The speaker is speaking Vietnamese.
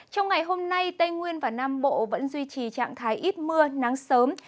trong ngày hôm nay tây nguyên và nam bộ vẫn duy trì trạng thái ít mưa nắng sớm